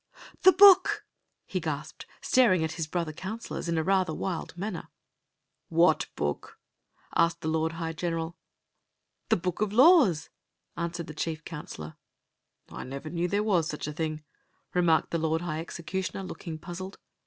"The book!" he gasped, staring at his brother counselors in a rather wild manner. "What book?" asked the lord high general. "The book of laws,'* answered the chief coui^lor. " I never knew there was such a thing," remarked the lord high executioner, looking puzzled.